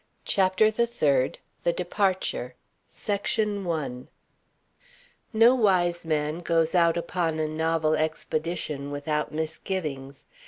CHAPTER THE THIRD THE DEPARTURE Section 1 No wise man goes out upon a novel expedition without misgivings.